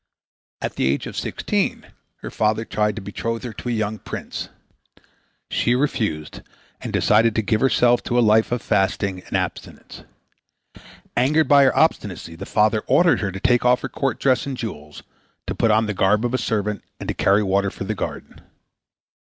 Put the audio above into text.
At the age of sixteen her father tried to betroth her to a young prince. She refused and decided to give herself to a life of fasting and abstinence. Angered b v her obstinacy the father ordered her to take off her court dress and jewels, to put on the garb of a servant and to carry water for the garden.